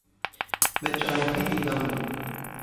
मैं चाय भी पीता हूँ।